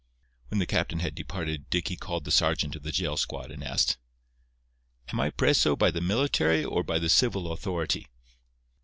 When the captain had departed Dicky called the sergeant of the jail squad and asked: "Am I preso by the military or by the civil authority?"